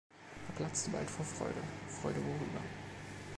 Er platzte bald vor Freude, Freude worüber.